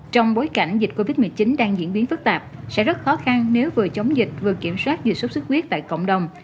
trong bối cảnh dịch covid một mươi chín đang diễn biến phức tạp sẽ rất khó khăn nếu vừa chống dịch vừa kiểm soát dịch xuất xuất huyết tại cộng đồng